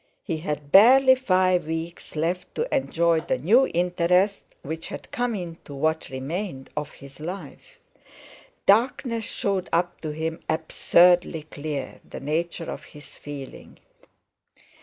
He had barely five weeks left to enjoy the new interest which had come into what remained of his life. Darkness showed up to him absurdly clear the nature of his feeling.